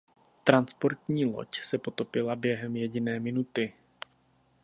Transportní loď se potopila během jediné minuty.